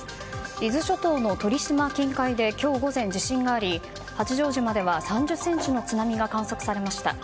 伊豆諸島の鳥島近海で今日午前、地震があり八丈島では３０ｃｍの津波が観測されました。